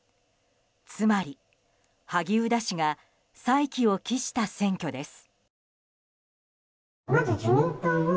つまり、萩生田氏が再起を期した選挙です。